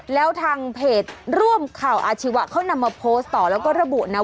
แล้วทางเพจร่วมข่าวอาชีวะเขานำมาโพสต์ต่อแล้วก็ระบุนะ